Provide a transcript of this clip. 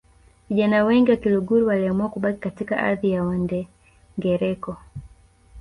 Vijana wengi wa Kiluguru waliamua kubaki katika ardhi ya Wandengereko